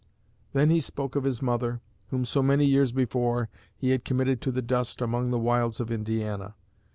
And then he spoke of his mother, whom so many years before he had committed to the dust among the wilds of Indiana.